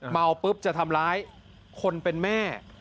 เมาปุ๊บจะทำร้ายคนเป็นแม่